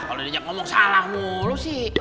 kalau dia jam ngomong salah mulu sih